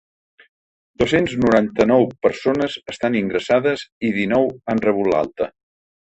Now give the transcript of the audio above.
Dos-cents noranta-nou persones estan ingressades i dinou han rebut l’alta.